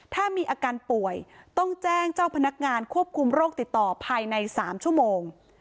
ถ้ามีอาการป่วยต้องแจ้งเจ้าพนักงานควบคุมโรคติดต่อภายใน๓ชั่วโมง